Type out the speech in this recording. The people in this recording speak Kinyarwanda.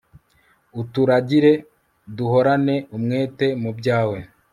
uturagire, duhorane umwete mu byawe